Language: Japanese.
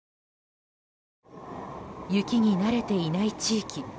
雪に慣れていない地域。